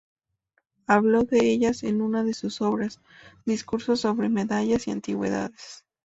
Habló de ellas en una de su obras, "Discursos sobre medallas y antigüedades".